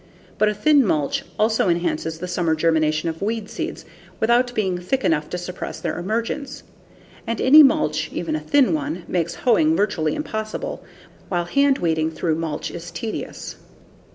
But a thin mulch also enhances the summer germination of weed seeds without being thick enough to suppress their emergence. And any mulch, even a thin one, makes hoeing virtually impossible, while hand weeding through mulch is tedious.